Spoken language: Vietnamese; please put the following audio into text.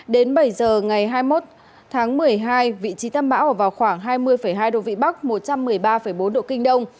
đến bảy giờ ngày hai mươi một tháng một mươi hai vị trí tâm bão ở vào khoảng hai mươi hai độ vĩ bắc một trăm một mươi ba bốn độ kinh đông